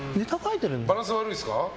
バランス悪いですか？